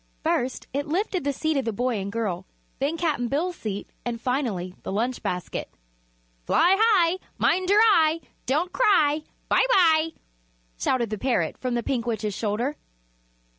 First it lifted the seat of the boy and girl, then Cap'n Bill's seat and finally the lunch basket. "Fly high! mind your eye! Don't cry! bye bye!" shouted the parrot from the Pink Witch's shoulder.